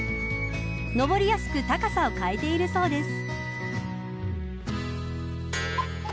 上りやすく高さを変えているそうです。